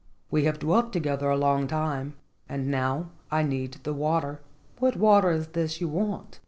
We have dwelt together a long time and now I need the water." "What water is this you want?"